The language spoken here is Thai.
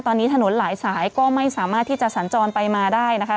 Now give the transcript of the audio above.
ตอนนี้ถนนหลายสายก็ไม่สามารถที่จะสัญจรไปมาได้นะคะ